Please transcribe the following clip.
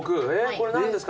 これ何ですか？